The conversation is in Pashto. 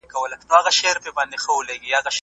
زما په لستوڼي کي ښامار لوی که